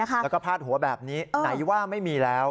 แล้วก็พาดหัวแบบนี้ไหนว่าไม่มีแล้ว